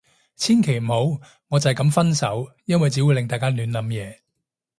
千祈唔好，我就係噉分手。因為只會令大家亂諗嘢